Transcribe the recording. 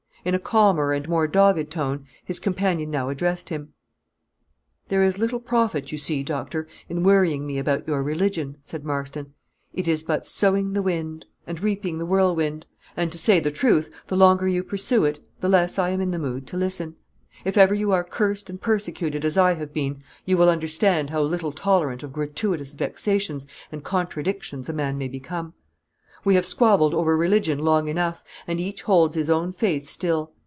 In a calmer and more dogged tone, his companion now addressed him: "There is little profit you see, doctor, in worrying me about your religion," said Marston. "it is but sowing the wind, and reaping the whirlwind; and, to say the truth, the longer you pursue it, the less I am in the mood to listen. If ever you are cursed and persecuted as I have been, you will understand how little tolerant of gratuitous vexations and contradictions a man may become. We have squabbled over religion long enough, and each holds his own faith still.